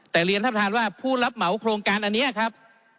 แต่เรียนท่านประธานว่าผู้รับเหมาโครงการอันนี้ครับ